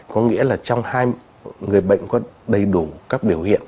có nghĩa là trong hai người bệnh có đầy đủ các biểu hiện